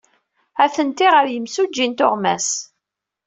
Atenti ɣer yimsujji n tuɣmas.